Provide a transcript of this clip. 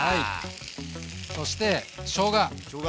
そしてしょうが。